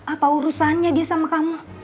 apa urusannya dia sama kamu